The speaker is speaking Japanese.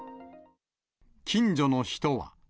近所の人は。